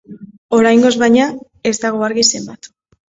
Oraingoz, baina, ez dago argi zenbat.